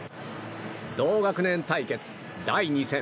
同学年対決第２戦。